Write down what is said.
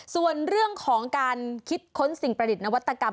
ส่วนเรื่องของการคิดค้นสิ่งประดิษฐ์นวัตกรรม